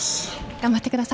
頑張ってください。